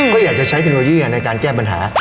ก็อยากจะใช้เทคโนโลยีในการแก้ปัญหา